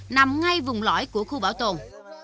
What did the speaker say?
nằm ngay vùng lõi của khu bảo tồn